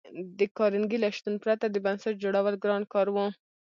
د کارنګي له شتون پرته د بنسټ جوړول ګران کار و